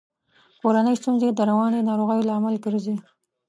کورنۍ ستونزي د رواني ناروغیو لامل ګرزي.